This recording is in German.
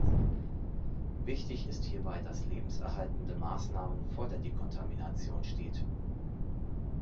Wichtig ist hierbei, dass lebenserhaltende Maßnahmen vor der Dekontamination steht.